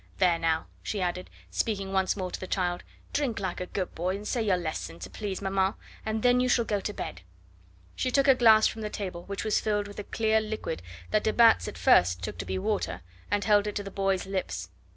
"There now," she added, speaking once more to the child, "drink like a good boy, and say your lesson to please maman, and then you shall go to bed." She took a glass from the table, which was filled with a clear liquid that de Batz at first took to be water, and held it to the boy's lips.